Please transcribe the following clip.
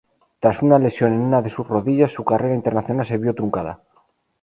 Tras una lesión en una de sus rodillas su carrera internacional se vio truncada.